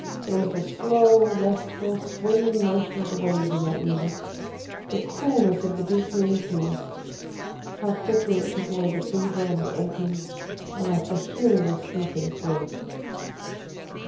There was the slow, restful, swinging motion of the waves in that music; the coolness of the deep green seas. How quickly it took away the fever and the aching, and left the healing of sleep in its wake!